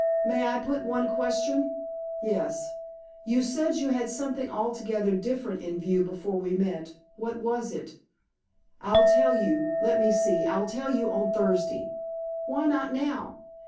May I put one question?" "Yes." "You said you had something altogether different in view before we met. What was it?" "I'll tell you—let me see—I'll tell you on Thursday." "Why not now?"